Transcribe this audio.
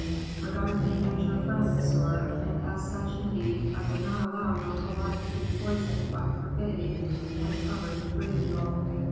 Regard me as your friend, monsieur; and as such, indeed, I would not allow your whole life to be poisoned by perfidy, and covered with ridicule.